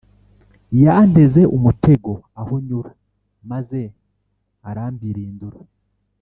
yanteze umutego aho nyura maze arambirindura,